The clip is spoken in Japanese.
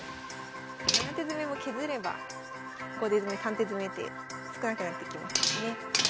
７手詰も削れば５手詰３手詰って少なくなってきますもんね。